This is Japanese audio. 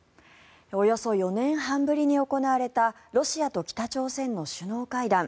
およそ４年半ぶりに行われたロシアと北朝鮮の首脳会談。